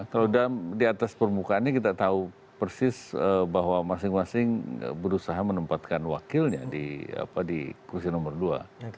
kalau di atas permukaannya kita tahu persis bahwa masing masing berusaha menempatkan wakilnya di kursi nomor dua